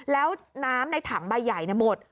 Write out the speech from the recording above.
แล้วน้ำในถังใบใหญ่หมด